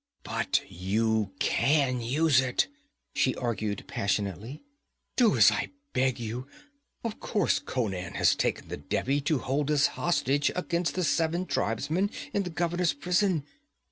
'But you can use it!' she argued passionately. 'Do as I beg you! Of course Conan has taken the Devi to hold as hostage against the seven tribesmen in the governor's prison.